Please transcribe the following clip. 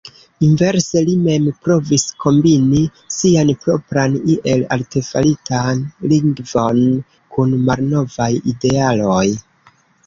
Inverse li mem provis kombini sian propran iel artefaritan lingvon kun malnovaj idealoj.